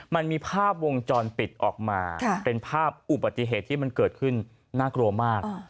มันมีภาพวงจรปิดออกมาเป็นภาพอุบัติเหตุที่มันเกิดขึ้นน่ากลัวมาก